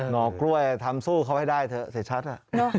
หอกล้วยทำสู้เขาให้ได้เถอะเสียชัด